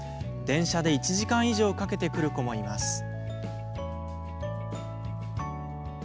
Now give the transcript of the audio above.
電車で１時間以上かけて来る子もいます。